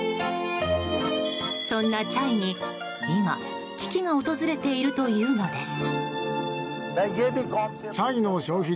そんなチャイに今危機が訪れているというのです。